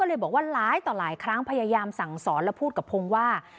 เลยบอกว่าร้ายต่อหลายครั้งพยายามสั่งสอนและพูดกับพงศ์ว่า